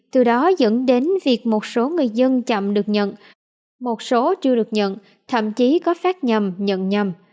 từ đó dẫn đến việc một số người dân chậm được nhận một số chưa được nhận thậm chí có phát nhầm nhận nhầm